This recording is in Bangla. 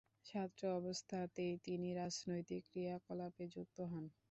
ছাত্রাবস্থাতেই তিনি রাজনৈতিক ক্রিয়াকলাপে যুক্ত হন।